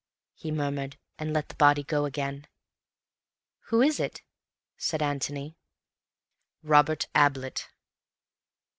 he murmured, and let the body go again. "Who is it?" said Antony. "Robert Ablett."